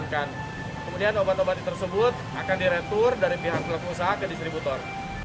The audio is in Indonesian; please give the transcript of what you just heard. kemudian obat obat tersebut akan diretur dari pihak pelaku usaha ke distributor